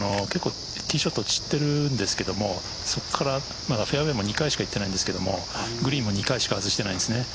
ティーショット散っているんですけどそこからフェアウェイも２回しかいってないんですけどグリーンも２回しか外してないですね。